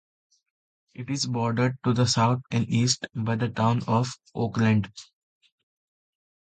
It is bordered to the south and east by the town of Oakland.